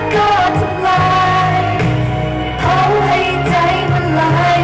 เพราะให้ใจมันร้าย